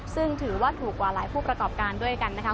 ซึ่งถือว่าถูกกว่าหลายผู้ประกอบการด้วยกันนะคะ